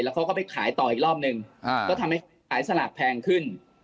เขาก็ไปขายต่ออีกรอบนึงก็ทำให้ขายสลากแพงขึ้น